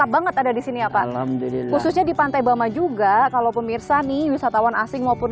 banget ada di sini apa khususnya di pantai bama juga kalau pemirsa nih wisatawan asing maupun